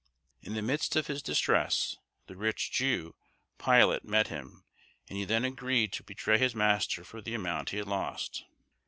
In the midst of his distress the rich Jew, Pilate, met him, and he then agreed to betray his master for the amount he had lost.